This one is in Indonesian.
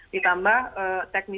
ditambah teknisi teknisnya yang sama